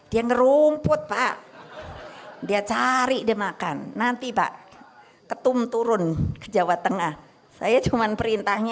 dia ngerumput pak dia cari dia makan nanti pak ketum turun ke jawa tengah saya cuman perintahnya